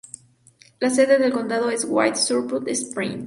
La sede del condado es White Sulphur Springs.